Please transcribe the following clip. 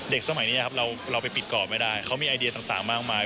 สมัยนี้ครับเราไปปิดกรอบไม่ได้เขามีไอเดียต่างมากมาย